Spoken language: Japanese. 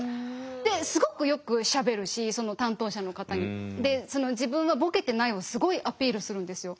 ですごくよくしゃべるしその担当者の方に。で自分はボケてないをすごいアピールするんですよ。